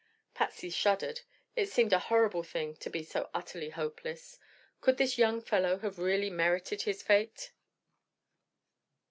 Patsy shuddered. It seemed a horrible thing to be so utterly hopeless. Could this young fellow have really merited his fate?